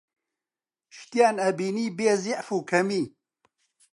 شتیان ئەبینی بێزیعف و کەمی